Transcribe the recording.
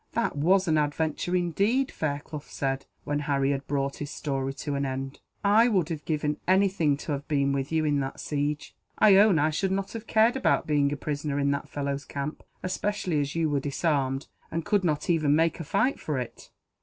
"That was an adventure, indeed," Fairclough said, when Harry had brought his story to an end. "I would have given anything to have been with you in that siege. I own I should not have cared about being a prisoner in that fellow's camp, especially as you were disarmed, and could not even make a fight for it.